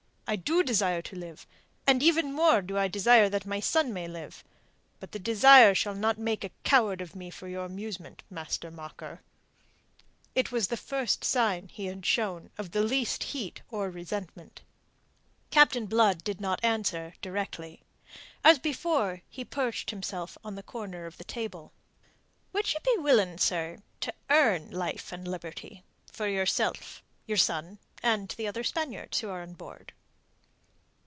I do desire to live; and even more do I desire that my son may live. But the desire shall not make a coward of me for your amusement, master mocker." It was the first sign he had shown of the least heat or resentment. Captain Blood did not directly answer. As before he perched himself on the corner of the table. "Would you be willing, sir, to earn life and liberty for yourself, your son, and the other Spaniards who are on board?"